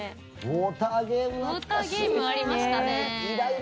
ウォーターゲームありましたね。